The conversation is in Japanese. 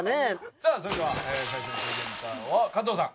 さあそれでは最初のプレゼンターは加藤さん。